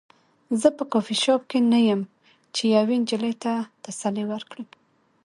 زه په کافي شاپ کې نه یم چې یوې نجلۍ ته تسلي ورکړم